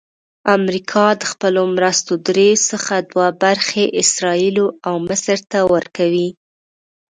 امریکا د خپلو مرستو درې څخه دوه برخې اسراییلو او مصر ته ورکوي.